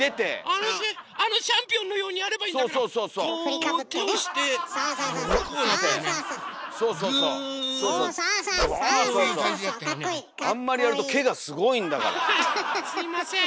あっすいません！